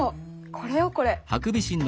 これよこれ。